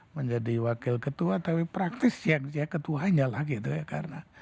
menjadi wakil ketua tapi praktis ya ketuanya lah gitu ya karena